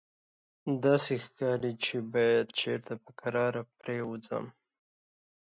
داسې ښکاري چې باید چېرته په کراره پرېوځم.